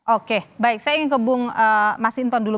oke baik saya ingin ke bung masinton dulu